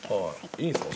いいんすか？